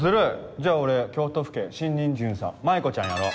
じゃあ俺京都府警新任巡査舞子ちゃんやろう。